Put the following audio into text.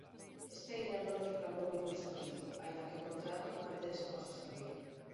Steiner non reclamou ningún servicio, aínda que o contrato mantense coa xestoría.